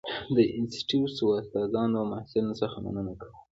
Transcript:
د انسټیټوت استادانو او محصلینو څخه مننه کوو.